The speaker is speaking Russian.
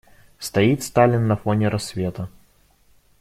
Стоит Сталин на фоне рассвета.